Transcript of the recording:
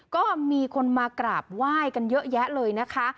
ก็มีคนมากราบไหว้กันเยอะแยะเลยนะคะ